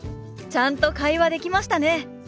ちゃんと会話できましたね！